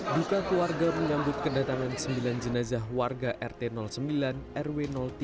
duka keluarga menyambut kedatangan sembilan jenazah warga rt sembilan rw tiga